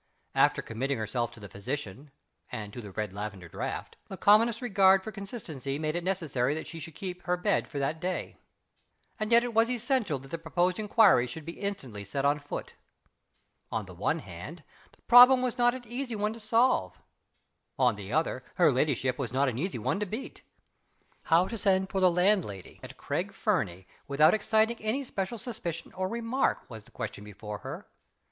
After committing herself to the physician (and to the red lavender draught) the commonest regard for consistency made it necessary that she should keep her bed for that day. And yet it was essential that the proposed inquiries should be instantly set on foot. On the one hand, the problem was not an easy one to solve; on the other, her ladyship was not an easy one to beat. How to send for the landlady at Craig Fernie, without exciting any special suspicion or remark was the question before her.